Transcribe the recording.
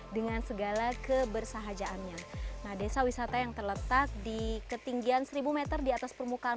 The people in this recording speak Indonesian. dengan segala kebersahajaannya nah desa wisata yang terletak di ketinggian seribu m di atas permukaan